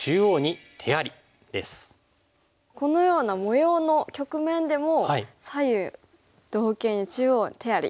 このような模様の局面でも「左右同形中央に手あり」